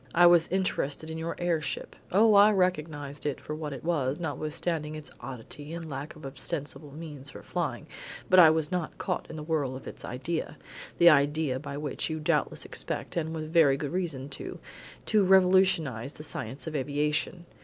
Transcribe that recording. I was interested in your air ship Oh, I recognised it for what it was, notwithstanding its oddity and lack of ostensible means for flying but I was not caught in the whirl of its idea; the idea by which you doubtless expect, and with very good reason too, to revolutionise the science of aviation.